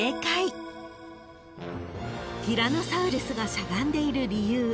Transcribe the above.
［ティラノサウルスがしゃがんでいる理由］